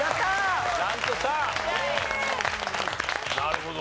なるほど。